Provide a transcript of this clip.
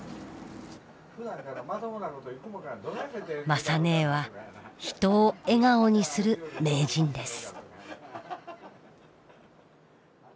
雅ねえは人を笑顔にする名人です。